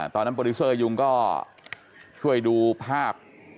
ตอนนั้นโปรดิวซ่อยุ็งก็ช่วยดูภาพ